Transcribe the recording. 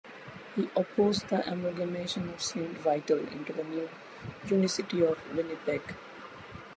He opposed the amalgamation of Saint Vital into the new "unicity" of Winnipeg.